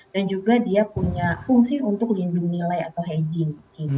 dan juga dia punya fungsi untuk lindung nilai atau hedging